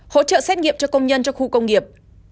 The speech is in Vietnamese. hỗ trợ xét nghiệp cho công nhân trong khu công nghiệp